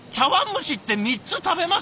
蒸しって３つ食べます？